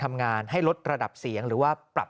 กรุงเทพฯมหานครทำไปแล้วนะครับ